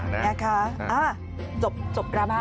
นะคะจบกราบ๕